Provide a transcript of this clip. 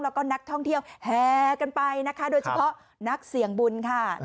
แล้วก็นักท่องเที่ยวแห่กันไปนะคะโดยเฉพาะนักเสี่ยงบุญค่ะ